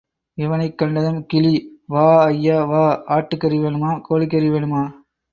இவனைக் கண்டதும் கிளி, வா ஐயா, வா, ஆட்டுக்கறி வேணுமா? — கோழிக்கறி வேணுமா?